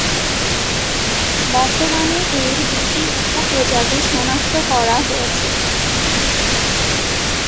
বর্তমানে এর দুটি উপ-প্রজাতি সনাক্ত করা হয়েছে।